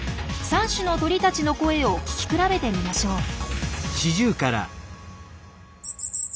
３種の鳥たちの声を聞き比べてみましょう。